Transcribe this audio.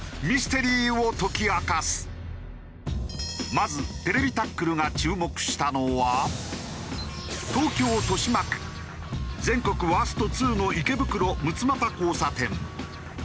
まず『ＴＶタックル』が注目したのは東京豊島区全国ワースト２の池袋六ツ又交差点。